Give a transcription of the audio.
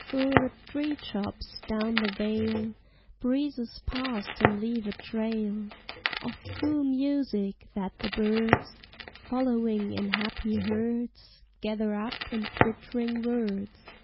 Thro' the tree tops, down the vale, Breezes pass and leave a trail Of cool music that the birds, Following in happy herds, Gather up in twittering words.